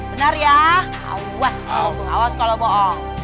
benar ya awas kalau bohong